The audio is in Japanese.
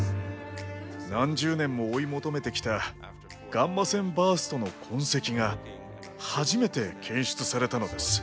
何十年も追い求めてきたガンマ線バーストの痕跡が初めて検出されたのです。